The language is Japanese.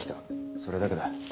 それだけだ。